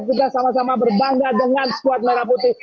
kita sama sama berbangga dengan squad merah putih